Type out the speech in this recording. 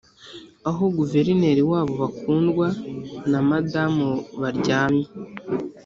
aho guverineri wabo bakundwa na madamu baryamye,